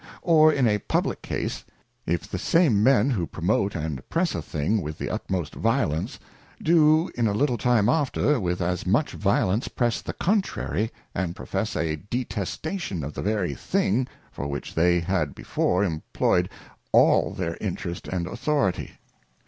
Or in a Publick case, if the same men who promote and press a thing with the utmost violence, do in a little time after with as much violence press the contrary, and profess a detestation of the very thing, for which they had before imployed all their Interest and Authority.